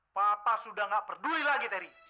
papa sudah gak peduli lagi terry